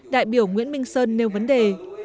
đại biểu nguyễn minh sơn nêu vấn đề